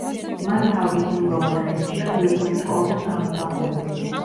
მან თავის სიმბოლოდ აირჩია გვირგვინი ყორნის გამოსახულებით.